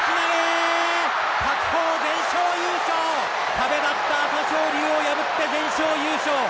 壁だった朝青龍を破って全勝優勝！